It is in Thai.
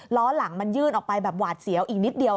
ล้อหลังมันยื่นออกไปแบบหวาดเสียวอีกนิดเดียว